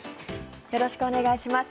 よろしくお願いします。